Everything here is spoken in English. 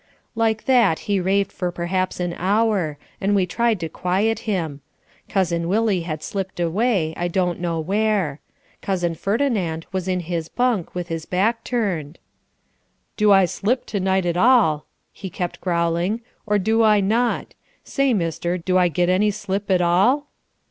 Like that he raved for perhaps an hour and we tried to quiet him. Cousin Willie had slipped away, I don't know where. Cousin Ferdinand was in his bunk with his back turned. "Do I slip to night, at all," he kept growling "or do I not? Say, mister, do I get any slip at all?"